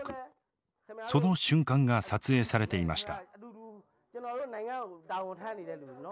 その瞬間が撮影されていました。